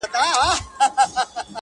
چي پاچا سو انتخاب فیصله وسوه!.